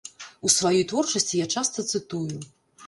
У сваёй творчасці я часта цытую.